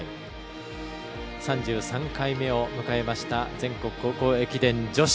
３３回目を迎えました全国高校駅伝女子。